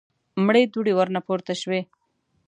مړې دوړې ورنه پورته شوې.